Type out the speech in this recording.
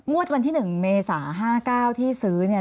วันที่๑เมษา๕๙ที่ซื้อเนี่ย